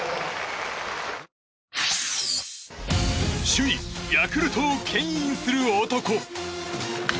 首位ヤクルトを牽引する男。